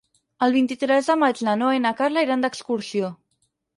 El vint-i-tres de maig na Noa i na Carla iran d'excursió.